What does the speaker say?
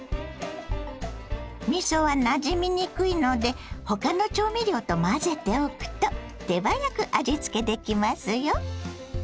みそはなじみにくいので他の調味料と混ぜておくと手早く味付けできますよ。